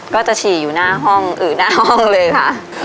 ก็จะฉี่อยู่หน้าห้องหน้าห้องเลยค่ะ